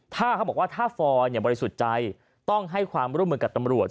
ถ้าเขาบอกว่าถ้าฟอยบริสุทธิ์ใจต้องให้ความร่วมมือกับตำรวจ